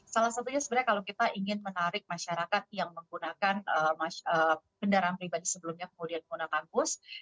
salah satunya sebenarnya kalau kita ingin menarik masyarakat yang menggunakan kendaraan pribadi sebelumnya kemudian menggunakan bus